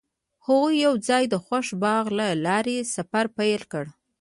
هغوی یوځای د خوښ باغ له لارې سفر پیل کړ.